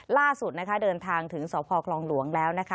ล่าสุดนะคะเดินทางถึงสพคลองหลวงแล้วนะคะ